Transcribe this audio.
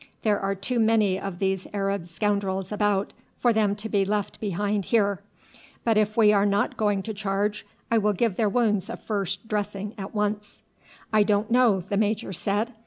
There are too many of these Arab scoundrels about for them to be left behind here. But if we are not going to charge I will give their wounds a first dressing at once." "I don't know," the major said.